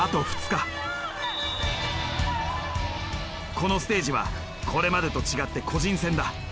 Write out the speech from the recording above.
このステージはこれまでと違って個人戦だ。